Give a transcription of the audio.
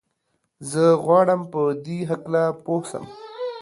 زه غواړم په دي هکله پوه سم.